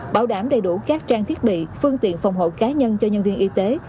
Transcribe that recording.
bảo đảm đầy đủ các trang thiết bị phương tiện phòng hộ cá nhân cho nhân viên y tế